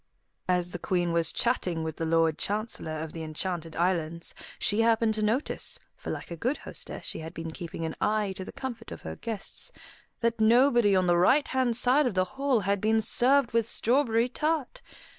As the Queen was chatting with the Lord Chancellor of the Enchanted Islands, she happened to notice for like a good hostess she had been keeping an eye to the comfort of her guests that nobody on the right hand side of the hall had been served with strawberry tart.